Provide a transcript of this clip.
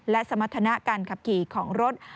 และสมรรถนะการขับขี่ของรถ